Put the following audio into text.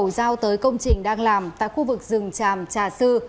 giao tới công trình đang làm tại khu vực rừng tràm trà sư